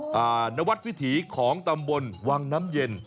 หลองตำบลวังน้ำเย็น